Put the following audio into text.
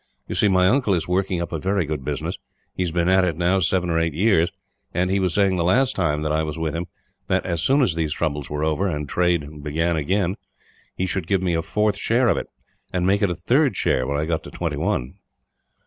You see, my uncle is working up a very good business. He has been at it, now, seven or eight years; and he was saying the last time that I was with him that, as soon as these troubles were over, and trade began again, he should give me a fourth share of it; and make it a third share, when I got to twenty one."